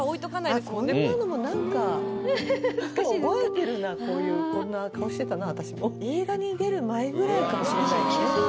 こんなのも何か覚えてるなこういうこんな顔してたな私も映画に出る前ぐらいかもしれないね